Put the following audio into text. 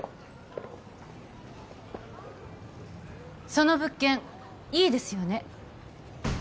その物件いいですよね